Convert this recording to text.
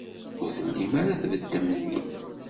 Ur tellim ara tbeddem din.